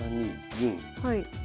はい。